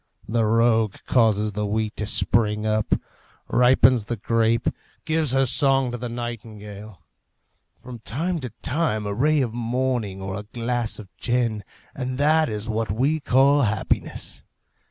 The rogue causes the wheat to spring up, ripens the grape, gives her song to the nightingale. From time to time a ray of morning or a glass of gin, and that is what we call happiness!